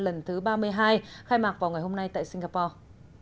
lần thứ ba mươi hai khai mạc vào ngày hôm nay tại singapore